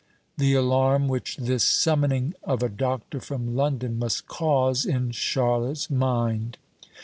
"The alarm which this summoning of a doctor from London must cause in Charlotte's mind."